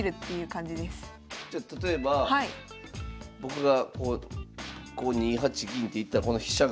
じゃあ例えば僕がこう２八銀って行ったらこの飛車が？